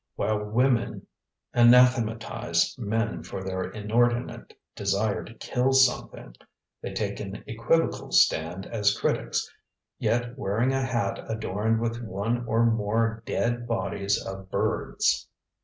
While women anathematize men for their inordinate desire to kill something, they take an equivocal stand as critics, yet wearing a hat adorned with one or more dead bodies of birds.